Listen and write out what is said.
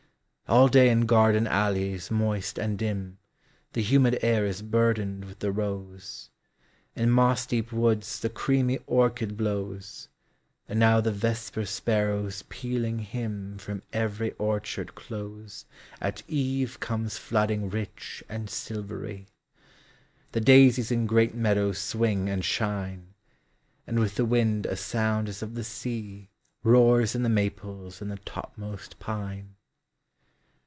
All day in garden alleys moist and dim, The humid air is burdened with the rose ; JUNE 141 In moss deep woods the creamy orchid blows ; And now the vesper sparrows' pealing hymn From every orchard close At eve comes flooding rich and silvery; The daisies in great meadows swing and shine ; And with the wind a sound as of the sea Roars in the maples and the topmost pine.